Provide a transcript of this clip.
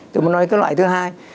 tôi muốn nói cái loại thứ hai